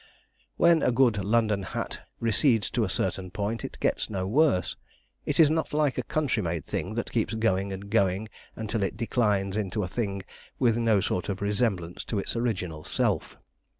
When a good London hat recedes to a certain point, it gets no worse; it is not like a country made thing that keeps going and going until it declines into a thing with no sort of resemblance to its original self.